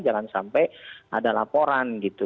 jangan sampai ada laporan gitu